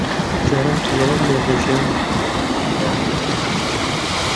جاران کە لە لەندەن دەژیام لە بانکێک کارم دەکرد.